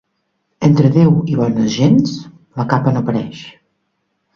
Entre Déu i bones gents, la capa no pareix.